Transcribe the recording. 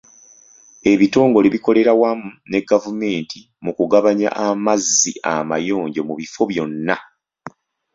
Ebitongole bikolera wamu ne gavumneti mu kugabanya amazzi amayonjo mu bifo byonna.